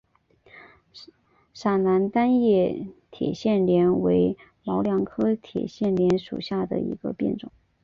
陕南单叶铁线莲为毛茛科铁线莲属下的一个变种。